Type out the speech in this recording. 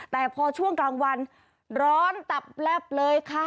แต่พอช่วงกลางวันร้อนตับแลบเลยค่ะ